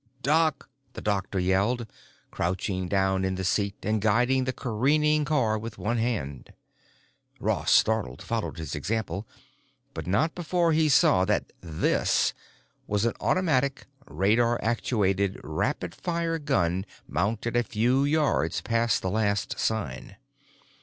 "Duck!" the doctor yelled, crouching down in the seat and guiding the careening car with one hand. Ross, startled, followed his example, but not before he saw that "THIS" was an automatic, radar actuated rapid fire gun mounted a few yards past the last sign.